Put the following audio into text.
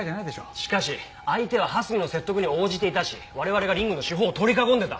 しかし相手は蓮見の説得に応じていたし我々がリングの四方を取り囲んでた。